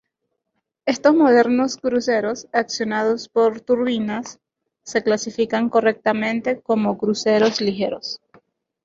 Estos modernos cruceros, accionados por turbinas, se clasifican correctamente como cruceros ligeros.